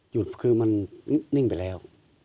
หยุดคือมันนิ่งไปแล้ว